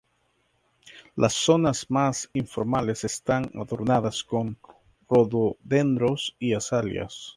Las zonas más informales están adornadas con rododendros y azaleas.